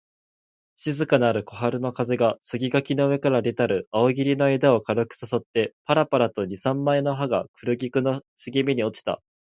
静かなる小春の風が、杉垣の上から出たる梧桐の枝を軽く誘ってばらばらと二三枚の葉が枯菊の茂みに落ちた